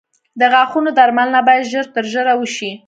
د غاښونو درملنه باید ژر تر ژره وشي.